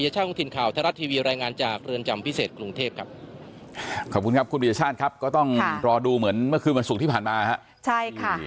ขอบคุณครับคุณวิทยาชาติครับก็ต้องรอดูเหมือนเมื่อคืนวันศุกร์ที่ผ่านมาฮะใช่ค่ะ